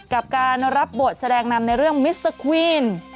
กับการรับบทแสดงนำในเรื่องมิสเตอร์ควีน